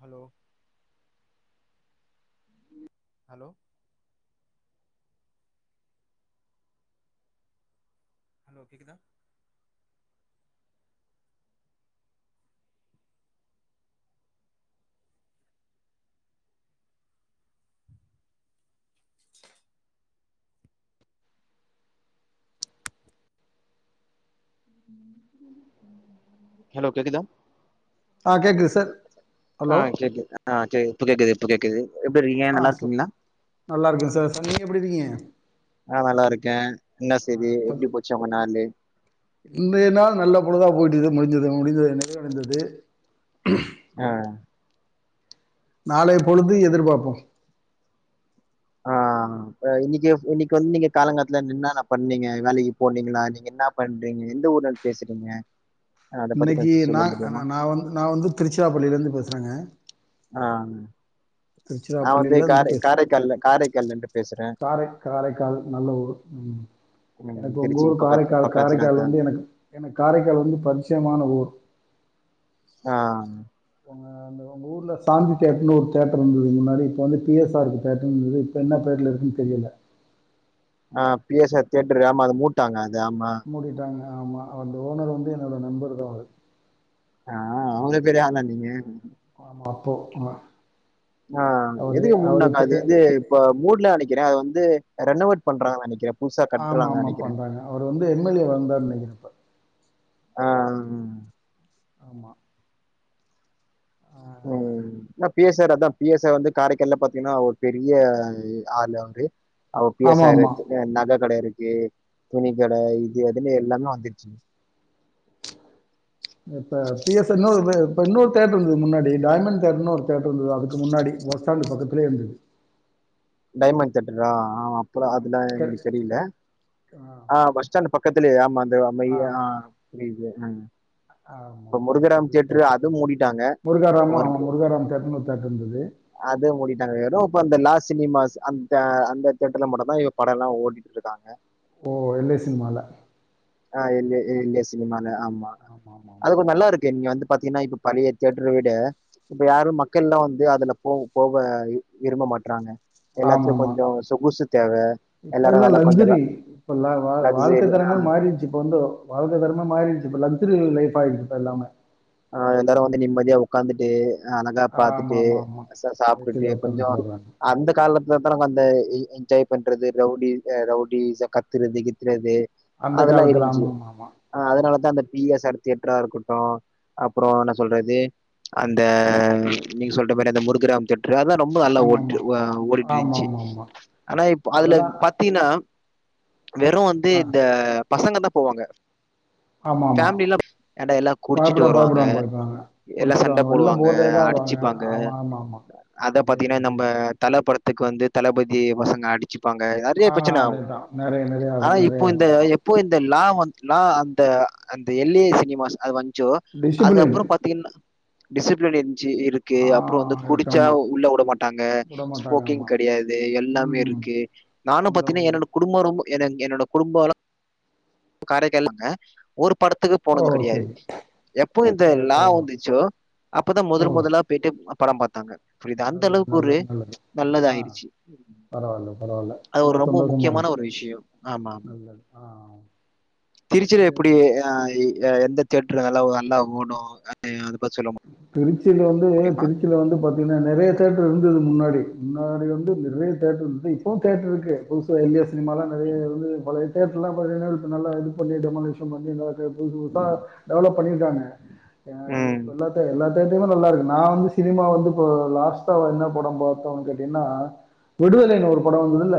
Hello hello hello கேக்குதா [inaudible] hello கேக்குதா ஆ கேக்குது சார் ஆ ஹலோ கேக்குது ஆ கேக்குது இப்ப கேக்குது இப்ப கேக்குது எப்டி இருக்கீங்க ஆ நல்லா ச இருக்கீங்களா நல்லா இருக்க சார் சார் நீங்க எப்டி இருக்கீங்க ஆ நல்லா இருக்கே என்ன ஆ செய்தி சொல் எப்டி போச்சு உங்க நாளு இன்றைய நால் நல்ல பொழுதா போய்ட்டுது முடிஞ்சது முடிஞ்சது நிறைவடைந்தது ஆ நாளை பொழுது எதிர்பார்ப்போ ஆ இன்னைக்கு இன்னைக்கு வந்து நீங்க காலங்கத்துல என்னான்ன பண்ணீங்க வேலைக்கு போனீங்களா நீங்க என்ன பண்றீங்க எந்த ஊர் பேசுறீங்க அத பத்தி இன்னைக்கி கொஞ்சோ நா சொல்ல முடியுமா நா வந்து நா வந்து திருச்சிராப்பள்ளியிலேந்து பேசுறங்க ஆ திருச்சிரா நா வந்து பள்ளியில இருந்து காரை பேசு காரைக்கால்ல காரைக்கால்ல இருந்து பேசுறே காரை காரைக்கால் நல்ல ஊர் ம் ம் எனக்கு உங்க ஊர் திருச்சிக்கு பக்கத்து காரைக்கால் காரைக்கால் பக்கத்துலதா வந்து எனக்கு எனக்கு காரைக்கால் வந்து பரிசயமான ஊர் ஆ போங்க அந்த உங்க ஊர்ல சாந்தி தேட்டருன் ஒரு தேட்டர்ரு இருந்தது முன்னாடி இப்போ வந்து பி எஸ் ஆர்ருக்கு தேட்டரு இருந்தது இப்ப என்ன பேர்ல இருக்குன்னு தெரியல ஆ பி எஸ் ஆர் தேட்ரு ஆமா அத மூட்டாங்க அது ஆமா மூடிட்டாங்க ஆமா அந்த ஓனர் வந்து என்னோட நண்பர் தா அவரு ஆ அவுங்க பெரிய ஆளா நீங்க ஆமா அப்போ ஆ ஆ எதுக்கு மூன்னாங்க அது இப்பயே வந்து இப்ப மூட்ல நெனைக்கிற அத வந்து ரெனவேட் பண்றாங்க நெனைக்கிற ஆமா ஆமா பண்றாங்க அவர் வந்து எம் எல் ஏ வா இருந்தார் நெனைக்கிற அப்ப ஆ ம் ஆமா ஆ ம் என்ன பி எஸ் ஆர் அதா பி எஸ் ஆர் வந்து காரைக்கால்ல பாத்தீங்னா ஒரு பெரிய ஆளு அவரு அ பி எஸ் ஆர் ரு ஆமாமா. நக கட இருக்கு துணி கட இது அதுன் எல்லாமே வந்துருச்சு இப்ப பி எஸ் ஆர் னு இப்ப இன்னொரு தேட்டர் இருந்தது முன்னாடி டைமண்ட் தேடர்னு ஒரு தேட்டர் இருந்தது அதுக்கு முன்னாடி பஸ் ஸ்டாண்ட் பக்கத்துலே இருந்தது டைமண்ட் தேட்டரா ஆ அப்பல ஆமா. அதெல்லா க எங்ளுக் தெரில ஆ பஸ் ஸ்டாண்ட் பக்கத்துலே ஆமா அந்த அமா ஆ புரிது ம் ஆமாமா அது ஒரு தேட்ரு அதுவும் மூடிட்டாங்க. முருகராம ஒரு ஆ முருகராம் தேட்டர்னு ஒரு தேட்டர் இருந்தது அது மூடிட்டாங்க வெறு இப்ப அந்த லாஸ் சினிமாஸ் அந்த அந்த தேட்டர்ல மட்டுதா இ படல்லா ஓடி இருக்காங்க ஓ எல் ஐ சினிமால ஆ எல் ஐ எல் ஐ சினிமானால ஆமா அது ஆமாமாமாமா. கொஞ்ச நல்லா இருக்கு இங்க வந்து பாத்தீங்கன்னா இப் பழைய தேட்டர விட இப்ப யாரும் மக்கள் லா வந்து அதுல போ போக விரும்ப மாட்றாங்க எல்லாதியு ஆமாமா. கொஞ்சோ சொகுசு தேவ இப்ப எல்லாரு எல்லா நல்லா கொஞ்சோ லக்ஸுரி இப்ப லா வா வாழ்க்கை லக்ஸரி அ தரமே மாறிடுச்சு இப்ப வந்து வாழ்க தர்ம மாறிச்சு இப்ப லக்ஸூரி லைஃப் ஆயிடுச்சு இப்ப எல்லாமே ஆ எல்லாரு வந்து நிம்மதியா உட்காந்துட்டு அழகா ஆமா பாத்துட்டு ஆமா ஆமா சாப்டுட்டு ஏசில உட்காந்து கொஞ்சோ போடுறாங்க அந்த ஆமா காலத் [unintelligible] அந்த எ என்ஜாய் பண்றது ரவுடி ஆ ரவுடிஸா கருத்துறது கித்துறது அந்த அதெல்லா காலத்துல இருந்துச்சு ஆமா ஆமா ஆ ஆமா அதனாலதா அந்த பி எஸ் ஆர் தியெட்டரா இருக்கட்டு அப்றோ என்ன சொல்றது அந்த நீ சொல்ற மேரி அந்த முருகிராம் திட் ட்ரா ரொம்ப நல்லா ஆமா ஓட் ஆமா ஆமா ஆ ஆமா ஓடிட்டுருந்துச்சு ஆமா ஆமா ஆனா இப்ப அதுல அதெல்லா பாத்தீனா வெறும் வந்து ஆ இந்த பசங்க தா போவாங்க ஆமா ஆமா ஃபேமிலி ல்லா இட எல்லா குடிச்சு ட்டு பயப்பட வருவாங்க பயப்படுவாங்க பயப்படுவாங்க எல்லா சண்ட குடிச்சிடுவாங்க வெளில போடுவாங்க போதையா தா வருவாங்க அடிச்சுப்பாங்க ஆமா ஆமா ஆமா அத அதேதா பாத்தீங்கனா நம்ப அதேதா தல படதுக்கு வந்து தளபதி பசங்க அடி வச்சுப்பாங்க நெறைய ஆ பிரச்சன ஆகு அதேதா நெறைய நெறைய ஆனா ஆகும் இப்போ நெறைய ஆகும் இந்த ஆமா எப்போ இந்த லா வ லா அந்த அந்த எல் ஏ சினிமாஸ் அது வந்சோ அது டிசிப்ளின் அப்றம் பாத் தின்ன டிசிப்ளின் இருச்சி இருக்கு ஆ அப்றோ வந்து இருக்கு குடிச்சா ஆமா உள்ள உட மாட்டாங்க விட மாட்டாங்க ஸ்மோக்கிங் ஆமா கெடையாது எல்லாமே ம் இருக்கு நானு அந்த ஓ பாத்தீங்கன்னா என்னோட குடும்போ ரொம்ப [unintelligible] என்னோட குடும்பலா காரைக்கல் தாங்க ஒரு படத்துக்கு ஓ, போனது கிடையாது சரி எப்போ இந்த கிடையாது லா ஓ வந்துச்சோ அப்பதா ஓ முதல் முதலா போயிட்டு படம் பாத்தாங்க புரிதா அந்த நல்லது அளவுக்கு ஒரு நல்லது நல்லது ஆ நல்லதாயிடுச்சு பரவால்ல பரவால்ல அது ஒரு ரொம்ப சந்தோஷமா முக்கியமான இருக்கு ஒரு விஷயம் ஆமாமா நல்லது ஆ திருச்சியில இது எப்டி அ இ அ எந்த தெட்டர்ல்ல நல்லா ஒ நல்லா ஓடு அத பத்தி சொல்ல திருச்சியில வந்து வேறு முடியுமா? திருச்சியில வந்து பத் தின்னா நெறைய தேட்டர் இருந்தது முன்னாடி முன்னாடி வந்து நிறைய தேட்டர் இருந்தது இப்பவும் தேட்டர்ருக்கு எல் சோ எல் ஏ சினிமாலா நெறைய வந்து பழைய தியேட்டர்லா பாதிக்கண்ண இது பா நல்ல இது பண்ணிட்டு மலே வந்து இந்தளவுக்கு புது புதுசா டெவலப் பண்ணிருக்காங்க ம். எல்லா தியேட்டர்லயும் நல்லாருக்கு நா வந்து சினிமா வந்து இப்ப லாஸ்ட்டா என்ன படம் பாத்தோம்ன்னு கேட்டீங்கன்னா விடுதலைன்னு ஒரு படம் வந்ததுல்ல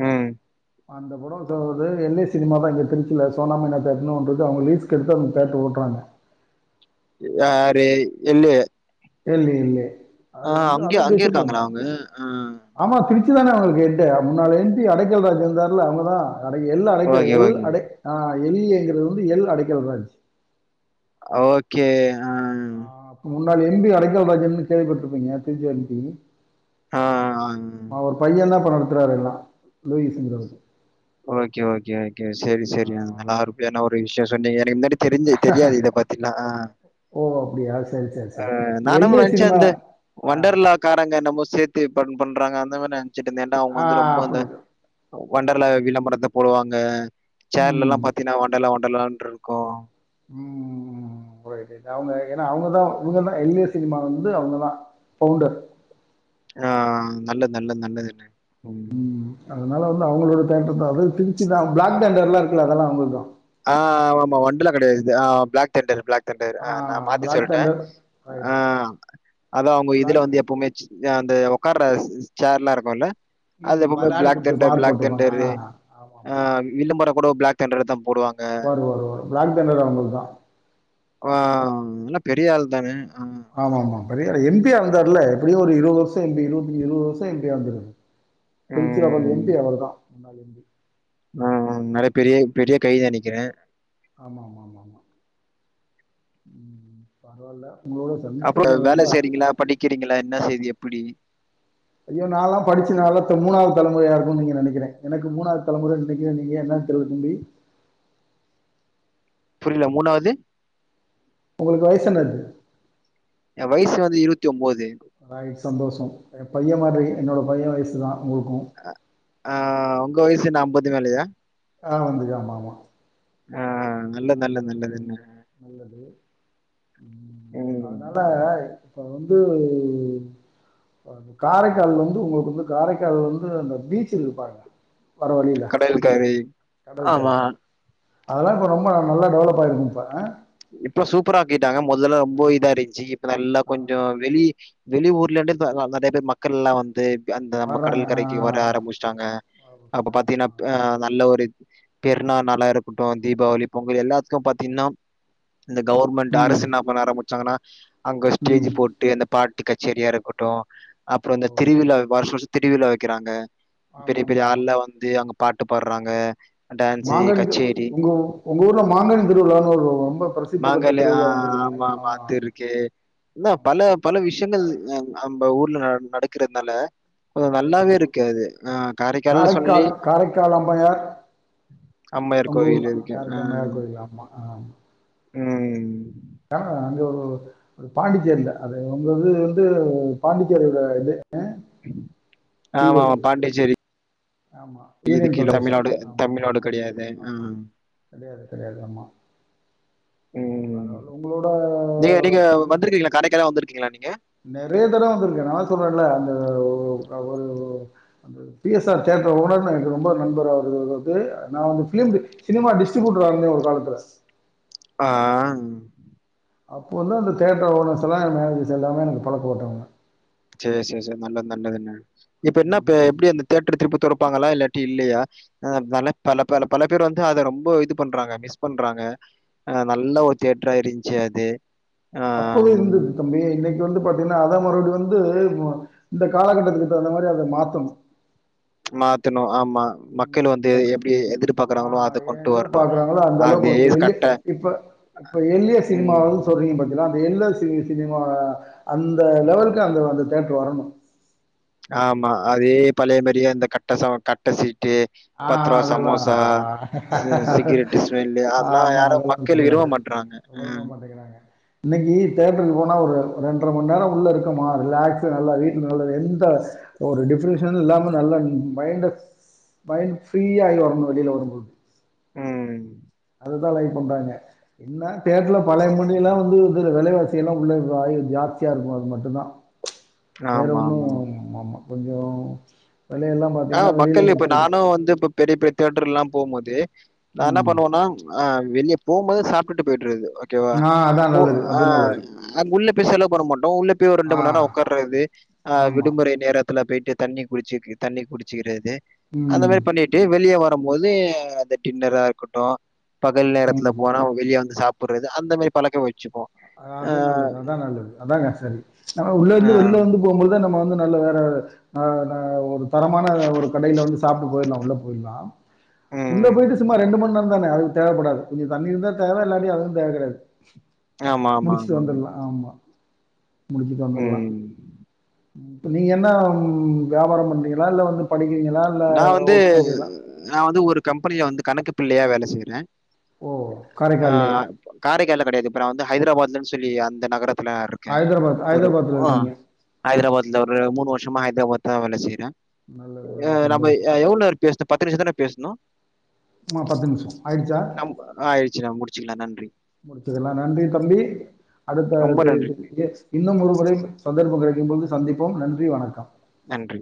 ம் அந்த படம் [unintelligible] எல் ஏ சினிமா தா இங்கிக்ற திருச்சில்ல சோனா மினா தேட்டர்னு ஒண்ணு இருக்கு அவங்க லீஸஸ் எடுத்து அந்த தேட்டர்ரு ஓட்டுறாங்க யாரு இல்லையே இல்லே இல்லே ஆ அங்கய அங்கே இருக்காங்களா அவங்க ஆ ஆமா திருச்சிதானே அவங்களுக்கு ஹெட்டு முன்னால எம் பி அடைக்கல் ராஜ் இருந்தார்ல அவங்க தா அட L Adaikkal okay, L okay. அடை ஆ எல் ஏ ங்கிறது வந்து எல் அடைக்கல் ராஜ் ஓகே ஆ அப்ப முன்னாள் எம்பி அடைக்கல் ராஜ் வந்து கேள்விப்பட்டிருப்பீங்க திருச்சி எம் பி ஆ. ஆ. அவர் பையன் தா இப்ப நடத்துறாரு எல்லா லூயிஸ்ங்கறவர் ஓகே ஓகே ஓகே செரி செரி ஆஹ் நல்லா அருமையான ஒரு விஷயம் சொன்னீங்க [unintelligible] தெரிஞ்சு தெரியாது இத பத்திலா ஆ ஓ அப்டியா செரி செரி செரி எல் ஏ சினிமா ஆ ஒண்டர் லா க்காரங்க நம்ம சேத்து ஃபன் பண்றாங்க அந்த மாரி நெனச்சுட்டுருந்த எண்ட அவங்க ஆ வந்து ரொம்ப அந்த அப்படி ஒன்ட லா விளம்பரத்த போடுவாங்க சேர்ல எல்லா ம் பாத்தீனா ஒண்டல ஒண்டலாட்ருக்கு ம் ம் ம் ம் ரைட் ரைட் அவங்க ஏன்னா அவங்கதா அங்கதா எல் ஏ சினிமா வந்து அவங்கதா பவுண்டர் ஆ நல்லது நல்ல நல்லதுன்னு ம் அதனால வந்து அவங்களோட தேட்டர்தா அது திருச்சிதா பிளாக் ண்டர் எல்லா இருக்குல்ல அதெல்லா அவங்கல்துத ஆ ஆமாமா ஒண்டல கடையாது இது ஆ பிலாக்தென்டர் பிலாக் தண்டர் ஆ நா மாத்தி பிளாக் சொல்ட்ட தண்டர் ஆ ரைட்டு அதா அவங்க இதுல பிளாக் வந்து எப்பவுமே அ அந்த உக்கார்ற சேர்லா இருக்குல்ல அது ம் எப்ப பார் விளையாடு பிளாக் கொடுத்துருப்பான் தெண்டர் ஆர் பிளாக் போட்டிருப்பாங்க ஆ தெண்டரு ஆமாம் ஆ ஆமாம் விலம்பற கூட பிளாக் தண்டர் தா போடுவாங்க ஒரு ஒரு பிளாக் தன்டர் அவங்களு தா ஆ நல்ல பெரிய ஆள் தான ஆ ஆமாமா பெரியால் எம் பி யா இருந்தார்ல எப்டியோ ஒரு இருவது வருஷோ எம்பி இருபத்தி அஞ்சு இருபது வருஷோ எம் பி யா இருந்துருக் திரிச்சி அப்ரோ அந்த எம் ம். பி அவர்தா முன்னாள் எம் பி ஆ நெறைய பெரிய பெரிய கைது நெனைக்ற ஆமா ஆமா ஆமா ஆமா ம் பரவால்ல உங்களோட அப்ற சந்திச்சிருக்கேன் ரொம்ப வேல ஆ, செய்றீங்களா படிக்கிறீங்களா என்ன செய்து எப்டி ஐயோ நால்லா படிச்சுனாலத்து மூணாவது தலைமுறையா இருக்குனு நீங்க நினைக்கிறெ எனக்கு மூணாவது தலைமுற நினைக்கிறே நீங்க என்ன தெருவ தம்பி புரில மூணாவது உங்களுக்கு வயசு என்னது எ வயசு வந்து இருவத்தி ஒம்பது ஆயி சந்தோஷோ எ பைய மாரி என்னோட பைய வயசு தா உங்ளுக்கு அ ஆ உங்க வயசென்ன அம்பது மேலயா ஆ வந்துக்க ஆமா ஆமா ஆ, நல்லது நல்லது ஐம்பதுக்கு மேல நல்லது இருக்கு நல்லது ம் அ அனால இப்ப வந்து காரைக்கால்ல வந்து உங்களுக்கு வந்து காரைக்கால்ல வந்து அந்த பீச்சு இருக்குப்பாருங்க வர வழில கடல் கரை கடல்க்கறை ஆமா அதெல்லா இப்ப ரொம்ப நல்லா டெவலப் ஆயிருக்கு இப்ப அ இப்ப சூப்பராக்கிட்டாங்க மொதல்ல ரொம்ப இதாருந்துச்சு இப்ப நல்லா கொஞ்சோ வெளி வெளி ஊர்ல இருந்து இப்ப நா நெறைய பேர் மக்கள் எல்லா வந்து அந்த நம்ம வர்றாங்க கடல் கரைக்கு வர ஆ, ஆரம்பிச்ட்டாங்க அப்ப வச்சுட்டாங்க பாத்தீங்கன்னா அ ஆ. நல்ல ஒரு பெருநா நாளா இருக்கட்டு தீபாவளி பொங்கல் எல்லாத்துக்கு பாத்தீங்ன்னா இந்த கவர்மெண்ட் ம் அரசு என்ன பண்ண ஆரம்பிச்சாங்கன்னா அங்க ஸ்டேஜ் ம் போ அந்த பாட்டு கச்சேரியா இருக்கட்டு அப்றோ ஓ இந்த திருவிழா வருஷ வருஷ திருவிழா வைக்கிறாங்க ஆமா பெரிய ஆமா பெரிய ஆமா ஆள்ளா வந்து அங்க பாட்டு பாட்றாங்க மாங்கனி உங்க உங்க ஊர்ல மாங்கனி திருவிழான்னு ஒரு ரொம்ப பிரசித்தி பெற்ற மாங்கால ஆ திருவிழா ஒன்னு இருக்குமே ஆமா ஆ ஆமா அது இருக்கு என்ன ஆமா பல பல விஷயங்கள் காரைக் நம்ம ஊர்ல நா நடக்கிறத்னால கொஞ்ச நெறைய நல்லாவே ஆமா இருக்கு ஆது நா காரைக்கால்னு சொல்லி காரைக்கால் காரைக்கால் அம்மையார் அம்மா இருக்க உங்க ஊர் வரையிலு தான் இருக்கு காரைக்கால் அம்மையார் ம் கோயில் ஆமா ம் ஆ அங்க ஒரு ஒரு பாண்டிச்சேர்ல அது உங்க வந்து வந்து பாண்டிச்சேரில இது பி ஆமா ஒய் பாண்டிச்சேரி ஆமா இது யூனியன் கீழ பிரதேசம் தமிழ்நாடு தமிழ்நாடு கிடையாது ம் கெடையாது கெடையாது ஆமா ம் பரவால்ல உங்களோட நீங்க நீங்க வந்துருக்கீங்ளா கடைக்கு ஏதா வந்துருக்கீங்ளா நீங்க நெறைய தடவ் வந்துருக்க நா சொல்றேன்ல அந்த ஒ அ ஒரு அந்த P S R theatre owner எனக்கு ரொம்ப நண்பர் அவரு து நா வந்து பீல்ட் சினிமா டிஸ்ட்ரிபியூட்டரா இருந்த ஒரு காலத்துல ஆ அப்போ வந்து அந்த தேட்டர் ஓனர்ஸ் எலா மேனெஜர்ஸ் எல்லாமே எனக்கு பழக்க ஓட்டவங்க சரி சரி சரி நல்லது நல்லதுன இப்ப என்ன இப்ப ம். எப்டி அந்த தேட்ர் திருப்பி தொருப்பாங்களா இல்லாட்டி இல்லையா அ நல்ல பல பல பல பேர் வந்து அத ரொம்ப இது பண்றாங்க மிஸ் பண்றாங்க அ நல்ல ஒரு தியேட்டரா இருந்துச்சு அது அப்பவே இருந்தது ஆஹ் தம்பி இன்னைக்கு வந்து ப அத மறுபடி வந்து இந்த காலகட்டத்துக்கு தகுந்த மாரி அத மாத்தனு மாத்தினு ஆமா மக்கள் மாற்றணும் வந்து எப்டி ஆ எதிர்பாக்குறாங்களோ அத கொண்டு வரணு எதிர்பார்க்குறாங்களோ அது கட்ட இப்ப எல்லிய ம் சினிமாவு சொல்றீங்க பத்தங்களா அந்த எல்ல சி னிமாவ அந்த லெவலுக்கு அந்த அந்த தேட்டர் வரணு ஆமா அதே பழைய மாரியே அ இந்த கட்டை ச கட்ட சீட்டு ஆ பத்திர அதெல்லாம் சமோசா அதான் சி சிகரெட் ஸ்மெல்லு அதெல்லா ஆமாம் யாரு அதெல்லாம் மக்கள் விரும்ப இருக்கக்கூடாது மாட்றாங்க விரும்ப ம் மாட்டிங்கிறாங்க இன்னக்கி தேட்டருக்கு போனா ஒரு ரெண்டரை மண் நேர உள்ள இருக்கமா ரிலாக்ஸ நல்லா வீட்ல நல்லா எந்தாஸ் ஒரு டிஃப்ரெஷன் இல்லாம நல்ல மைண்ட மைண்ட் ஃரீயாயிரு அப்டின் வெளியில வரும்போது ம் அதுதா லை பண்றாங்க என்னா தேட்டில பழைய மணிலா வந்து இதில விலைவாசியெல்லா உள்ள ஜாஸ்தியா இருக்கு அது மட்டுந்தா [unintelligible] வேற ஒண்ணு ஆமா ஆமா கொஞ்சோ வெலையெல்லா பா ஆ மக்கள் இப்ப நானு வந்து இப்ப பெரிய பெரிய தேட்டர் எல்லா போம் போது நா என்ன ம் பண்ணுவோன்னா ஆ வெளியே போம்போது சாப்ட்டுட்டு போயிட்டு இருது ஓகேவா ஆ அதா போ நல்லது ஆ அது நல்லது அங்க உள்ள போய் செலவு பண்ண மாட்டோ உள்ளே போய்ஒர் ரண்டு ஆ மண்நேர உக்காறது ஆ ஆமா விடுமுறை நேர த்துல போயிட்டு தண்ணி குடிச்ச தண்ணி குடிச்சிக்கிறது அந்த ம் மாரி பண்ணி ட்டு வெளிய வரும் போது அந்த டின்னரா இருக்கட்டு பகல் நேரத்துல ம் போனா வெளிய வந்து சாப் புறது அந்த மாரி பழக்க வச்சுப்போ அது நல்லது அதா நல்லது அதாங்க சரி நம்ம உள்ள அ இருந்து வெளில வந்து போகும்போதுதா நம்ம வந்து நல்ல வேற ஆ நா ஒரு தரமான ஒரு கடையில வந்து சாப்ட்டு போயிடலா உள்ள போயிடலா உள்ள ம். போயிட்டு சும்மா ரெண்டு மணி நேர தானே அது தேவைப்படாது கொஞ்ச தண்ணி இருந்த தேவ இல்லாடி அதுவு தேவ கெடையாது ஆமா, ஆமா, முடிச்சுட்டு ஆமா, வந்துரலா ஆமா முடிச்சுட்டு வந்துரலா ம். இப்ப நீங்க என்ன ம் வியாபாரம் பண்றீங்களா இல்ல வந்து படிக்கிறீங்களா இல்ல ஒர்க் பண்றீங்களா நா வந்து ஒரு கம்பெனியில வந்து கணக்கு பிள்ளையா வேல செய்யறே ஓ! ஆ காரைக்கால்லே. காரைகால்ல கெடையாது இப்ப நா வந்து ஹைதராபாத்லன்னு சொல்லி அந்த நகரத்த துல இருக்கே ஹைதராபாத் ஒரு ஹைதராபாத்ல ஆ இருக்கீங்க. ஓ! ஹதராபாத்துலதா ஒரு மூனு வருஷமா ஹைதராபாத்லதா வேல செய்ற நல்லது ஏ நல்லது. நம்ம சந்தோஷம். எ எவ்ளோ நேர பேசணு ம் பத்து நிமிஷ தான பேசனோ ஆ பத்து நிமிஷம் ஆயிடுச்சா ச்சிங்களா நன்றி முடிச்சுக்கலா நன்றி தம்பி அடுத்த ரொம்ப நன்றி. [unintelligible] இன்னும் ஒரு முறை சந்தர்ப்ப கெடைக்கும் போது சந்திப்போம் நன்றி வணக்கம் நன்றி